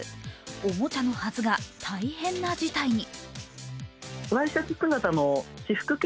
おもちゃのはずが大変な事態に。